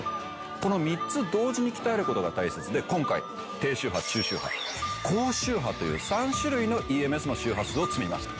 この３つ同時に鍛える事が大切で今回低周波中周波高周波という３種類のＥＭＳの周波数を積みました。